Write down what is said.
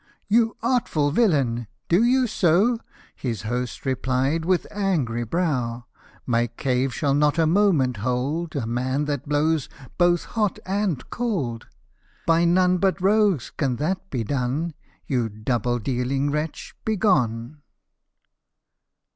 " You artful villain ! do you so ?" His host replied, with angry brow ;" My cave shall not a moment hold A man that blows both hot and cold ! By none but rogues can that be done : You double dealing wretch, begone